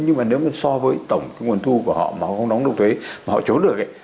nhưng mà nếu mà so với tổng cái nguồn thu của họ mà họ không đóng nộp thuế mà họ trốn được ấy